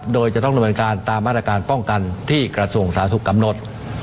โดยจะต้องระบวนการตามมาตรการป้องกันที่กระทรวงสาธุกำหนด